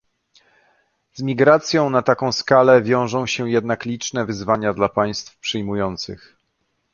Z migracją na taką skalę wiążą się jednak liczne wyzwania dla państw przyjmujących